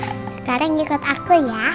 sekarang ikut aku ya